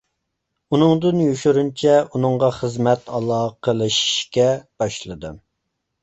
ئۇنىڭدىن يوشۇرۇنچە ئۇنىڭغا خىزمەت ئالاقىلىشىشكە باشلىدىم.